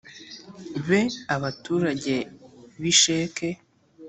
be abaturage b i sheke